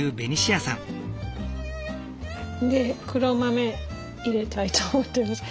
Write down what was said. で黒豆入れたいと思ってます。